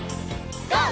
ＧＯ！